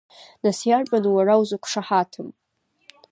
Нас иарбану уара узықәшаҳаҭым?